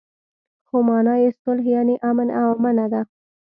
خو مانا يې صلح يانې امن آمنه وه.